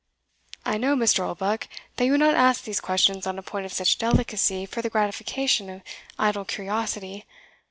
"I know, Mr. Oldbuck, that you would not ask these questions on a point of such delicacy for the gratification of idle curiosity.